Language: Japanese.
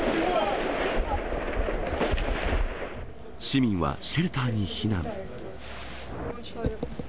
市民はシェルターに避難。